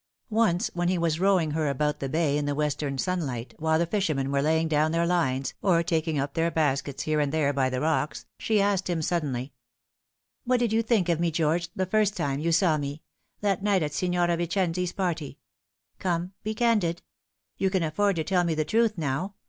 Once when he was rowing her about the bay in the wester ing sunlight, while the fishermen were laying down their lines, or taking up their baskets here and there by the rocks, she asked him suddenly, " What did you think of me, George, the first time you saw me that night at Signora Vicenti's party ? Come, be candid. You can afford to tell me the truth now.